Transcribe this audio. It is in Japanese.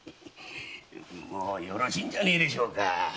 もうよろしいんじゃないですか？